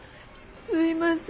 すいません